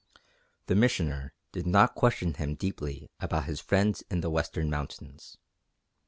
The Missioner did not question him deeply about his "friends" in the western mountains.